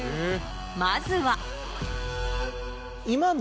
まずは。